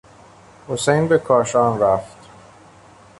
حسین به کاشان رفت.